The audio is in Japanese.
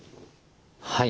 はい。